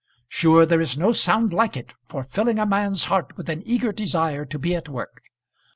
Sure there is no sound like it for filling a man's heart with an eager desire to be at work.